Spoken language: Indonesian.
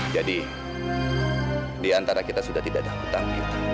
diantara kita sudah tidak ada hutang